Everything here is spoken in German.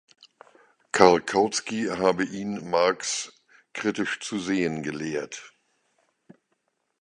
Karl Kautsky habe ihn Marx kritisch zu sehen gelehrt.